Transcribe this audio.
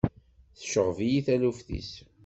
Tceɣɣeb-iyi taluft-is.